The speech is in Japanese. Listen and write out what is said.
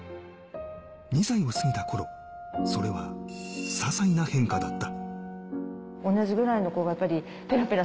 ２歳を過ぎた頃、それはささいな変化だった。